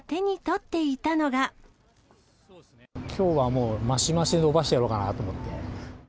きょうはもう、増し増しでのばしてやろうかなと思って。